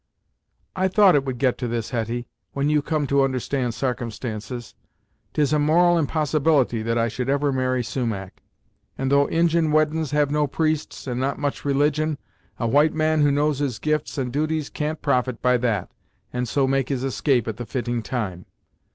"I thought it would get to this, Hetty, when you come to understand sarcumstances. 'Tis a moral impossibility that I should ever marry Sumach, and, though Injin weddin's have no priests and not much religion, a white man who knows his gifts and duties can't profit by that, and so make his escape at the fitting time.